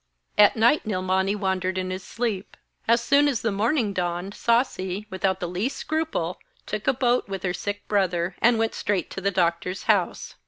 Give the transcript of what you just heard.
At night Nilmani wandered in his sleep. As soon as the morning dawned, Sasi, without the least scruple, took a boat with her sick brother, and went straight to the doctor's house.